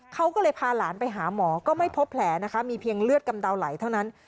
เขาก็เลยพาหลานไปหาหมอก็ไม่พบแผลนะคะมีเพียงเลือดกำเดาไหลเท่านั้น